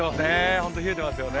本当、冷えてますよね。